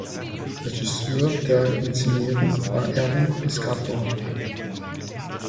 Regisseur der Inszenierung war Erwin Piscator.